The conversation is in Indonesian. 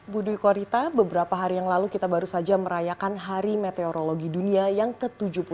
bu dwi korita beberapa hari yang lalu kita baru saja merayakan hari meteorologi dunia yang ke tujuh puluh satu